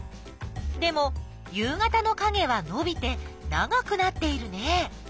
でも夕方のかげはのびて長くなっているね。